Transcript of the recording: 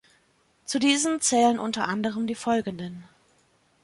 Zu diesen zählen unter anderem die folgenden.